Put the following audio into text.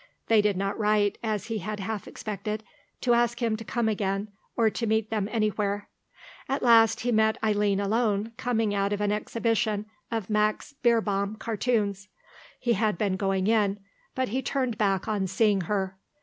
They did not write, as he had half expected, to ask him to come again, or to meet them anywhere. At last he met Eileen alone, coming out of an exhibition of Max Beerbohm cartoons. He had been going in, but he turned back on seeing her.